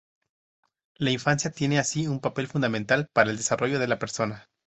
La infancia tiene así un papel fundamental para el desarrollo de la persona.